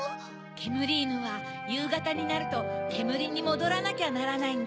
けむりいぬはゆうがたになるとけむりにもどらなきゃならないんだ。